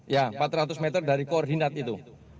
ya empat ratus meter dari koordinat itu